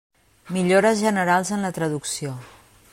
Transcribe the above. Millores generals en la traducció.